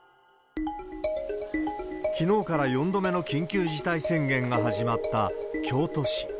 きのうから４度目の緊急事態宣言が始まった京都市。